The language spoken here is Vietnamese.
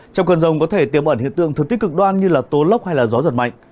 trong cơn rồng có thể tiêm ẩn hiện tượng thực tích cực đoan như là tố lốc hay là gió giật mạnh